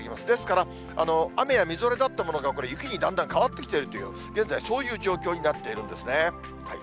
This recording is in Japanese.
ですから、雨やみぞれだったものが雪にだんだん変わってきているという、現在、そういう状況になっているんですね。